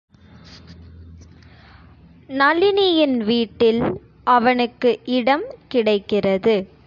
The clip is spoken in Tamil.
நளினியின் வீட்டில் அவனுக்கு இடம் கிடைக்கிறது.